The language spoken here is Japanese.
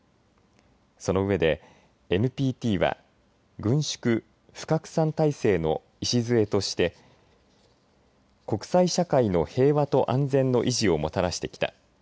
その上でＮＰＴは軍縮、非拡散体制の礎として国際社会の平和と安全の維持をもたらしてきた。